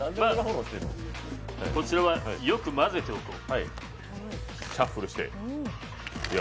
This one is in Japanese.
こちらをよく混ぜておこう。